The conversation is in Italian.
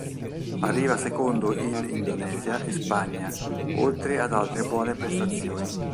Arriva secondo il Indonesia e Spagna, oltre ad altre buone prestazioni.